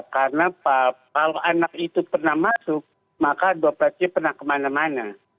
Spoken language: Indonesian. karena kalau anak itu pernah masuk maka doprasnya pernah kemana mana